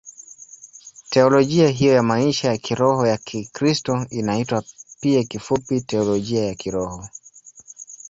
Teolojia hiyo ya maisha ya kiroho ya Kikristo inaitwa pia kifupi Teolojia ya Kiroho.